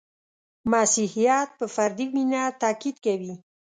• مسیحیت په فردي مینه تأکید کوي.